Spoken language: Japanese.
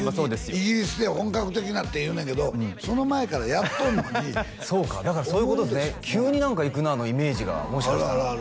イギリスで本格的なって言うねんけどその前からやっとんのにそうかだからそういうこと急に何か行くなあのイメージがあるある